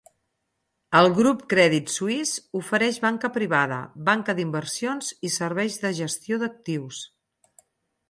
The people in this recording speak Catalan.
El Grup Crèdit Suïs ofereix banca privada, banca d'inversions i serveis de gestió d'actius.